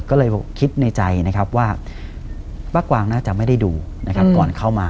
ก็เลยคิดในใจนะครับว่าป้ากวางน่าจะไม่ได้ดูนะครับก่อนเข้ามา